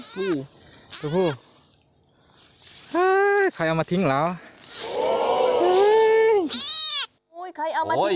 มาทิ้งอุ๊ยใครเอามาทิ้งเหรอ